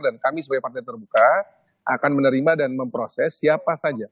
dan kami sebagai partai terbuka akan menerima dan memproses siapa saja